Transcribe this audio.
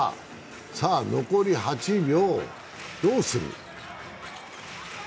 さあ、残り８秒、どうする？